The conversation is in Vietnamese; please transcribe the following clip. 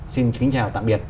xin kính chào tạm biệt